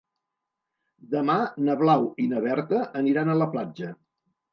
Demà na Blau i na Berta aniran a la platja.